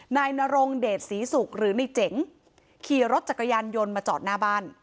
นายนรงเดชศรีศุกร์หรือในเจ๋งขี่รถจักรยานยนต์มาจอดหน้าบ้าน